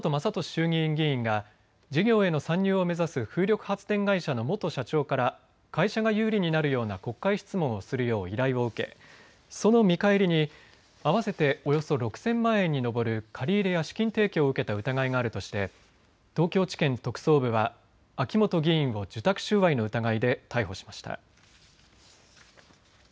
衆議院議員が事業への参入を目指す風力発電会社の元社長から会社が有利になるような国会質問をするよう依頼を受けその見返りに合わせておよそ６０００万円に上る借り入れや資金提供を受けた疑いがあるとして東京地検特捜部は秋本議員を受託収賄の疑いで逮捕しました。